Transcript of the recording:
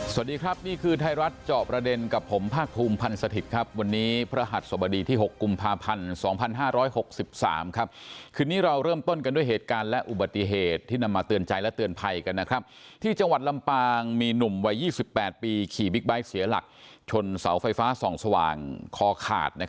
สวัสดีครับนี่คือไทยรัฐเจาะประเด็นกับผมภาคภูมิพันธ์สถิตย์ครับวันนี้พระหัสสบดีที่๖กุมภาพันธ์๒๕๖๓ครับคืนนี้เราเริ่มต้นกันด้วยเหตุการณ์และอุบัติเหตุที่นำมาเตือนใจและเตือนภัยกันนะครับที่จังหวัดลำปางมีหนุ่มวัย๒๘ปีขี่บิ๊กไบท์เสียหลักชนเสาไฟฟ้าส่องสว่างคอขาด